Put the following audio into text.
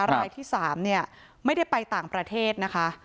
รายที่๓ไม่ได้ไปต่างประเทศนะคะ